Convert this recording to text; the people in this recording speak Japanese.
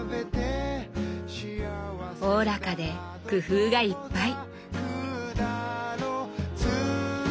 おおらかで工夫がいっぱい。